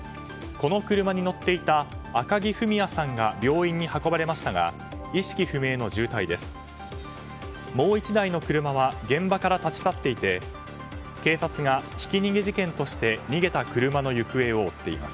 この車に乗っていた赤木郁弥さんが病院に運ばれましたが意識不明の重体です。